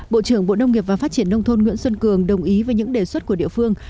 bộ trưởng bộ nông nghiệp và phát triển nông thôn nguyễn xuân cường đồng ý với những đề xuất của địa phương